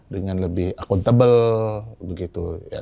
dengan lebih akuntabel begitu